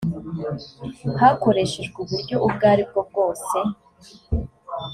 hakoreshejwe uburyo ubwo ari bwo bwose